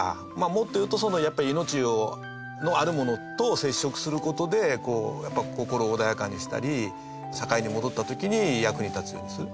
もっというと、やっぱり命のあるものと接触する事で心を穏やかにしたり社会に戻った時に役に立つようにする。